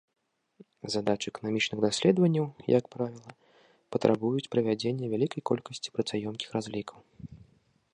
Задачы эканамічных даследаванняў, як правіла, патрабуюць правядзення вялікай колькасці працаёмкіх разлікаў.